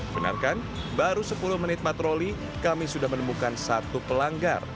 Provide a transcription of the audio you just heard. benarkan baru sepuluh menit patroli kami sudah menemukan satu pelanggar